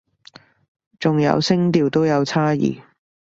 仲有聲調都有差異